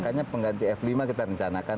makanya pengganti f lima kita rencanakan